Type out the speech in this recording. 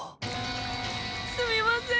すみません。